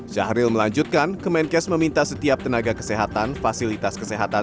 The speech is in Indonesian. syahril melanjutkan kemenkes meminta setiap tenaga kesehatan fasilitas kesehatan